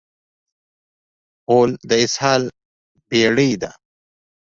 غول د اسهال بېړۍ ده.